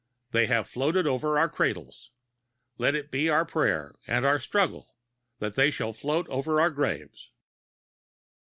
They have floated over our cradles; let it be our prayer and our struggle that they shall float over our graves.